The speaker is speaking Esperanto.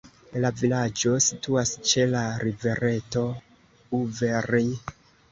La vilaĝo situas ĉe la rivereto "Uverj".